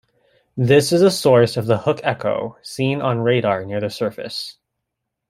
This is the source of the hook echo seen on radar near the surface.